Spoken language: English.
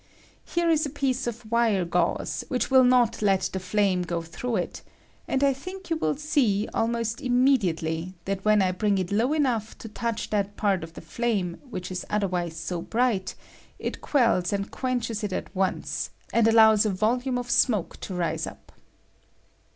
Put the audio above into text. Here is a piece of wire gauze, which will not let the flame go through it, and I think you will see, almost immediately, that when I ^^^ bring it low enough to touch that part of the ^^K flame which is otherwise so bright, it queUs ^^H and quenches it at once, and allows a volume ^^^ of amoke to rise up.